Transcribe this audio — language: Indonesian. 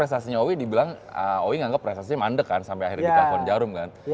tapi owi dibilang owi nanggep presensinya mandek kan sampe akhirnya ditelepon jarum kan